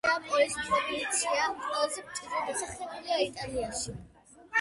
ნეაპოლის პროვინცია ყველაზე მჭიდროდ დასახლებულია იტალიაში.